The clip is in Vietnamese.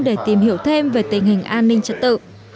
để tìm hiểu thêm về tình hình an ninh trật tự